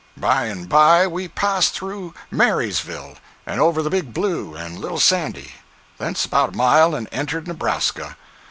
By and by we passed through Marysville, and over the Big Blue and Little Sandy; thence about a mile, and entered Nebraska.